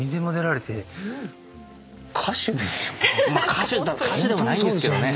歌手でもないんですけどね。